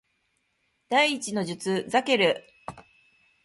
第一の術ザケル